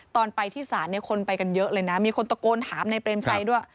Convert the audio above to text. ตอนไปที่ศาลเนี่ยคนไปกันเยอะเลยนะมีคนตะโกนถามในเปรมชัยด้วย